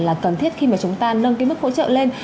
là cần thiết khi mà chúng ta nâng cái mức hỗ trợ lên